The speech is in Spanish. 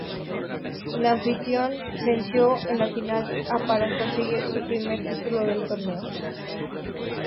El anfitrión venció en la final a para conseguir su primer título del torneo.